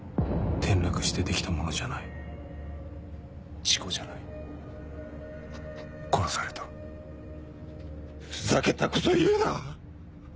転落して出来たものじゃない事故じゃない殺されたふざけたこと言うな！